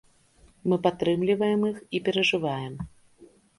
Мы падтрымліваем іх і перажываем.